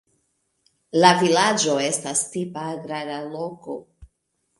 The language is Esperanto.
La vilaĝo estas tipa agrara loko.